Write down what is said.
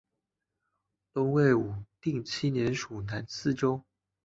东魏武定七年属南司州。